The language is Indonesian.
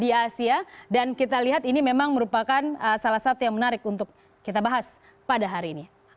di asia dan kita lihat ini memang merupakan salah satu yang menarik untuk kita bahas pada hari ini